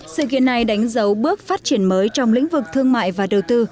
sự kiện này đánh dấu bước phát triển mới trong lĩnh vực thương mại và đầu tư